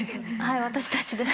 私たちです。